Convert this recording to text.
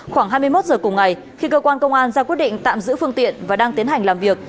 khoảng hai mươi một giờ cùng ngày khi cơ quan công an ra quyết định tạm giữ phương tiện và đang tiến hành làm việc